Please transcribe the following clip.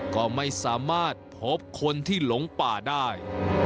ก็ไม่สามารถพบคนที่หลงป่าได้